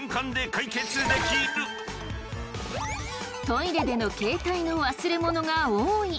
トイレでの携帯の忘れ物が多い！